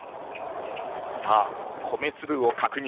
さあ米つぶを確認。